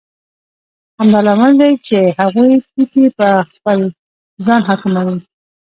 همدا لامل دی چې هغوی توکي په خپل ځان حاکموي